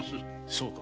そうか。